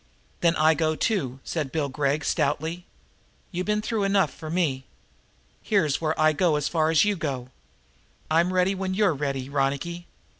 "Then I go, too," said Bill Gregg stoutly. "You been through enough for me. Here's where I go as far as you go. I'm ready when you're ready, Ronicky."